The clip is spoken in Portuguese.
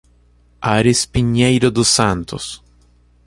Arez Pinheiro dos Santos